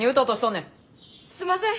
すんません！